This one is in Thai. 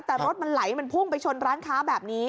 แต่รถมันไหลมันพุ่งไปชนร้านค้าแบบนี้